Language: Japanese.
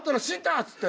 っつって。